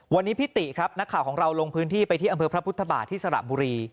วันนี้พี่ติครับนักข่าวของเราลงพื้นที่ไปที่อำเภอพระพุทธบาทที่สระบุรี